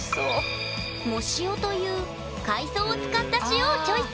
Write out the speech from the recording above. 「藻塩」という海藻を使った塩をチョイス！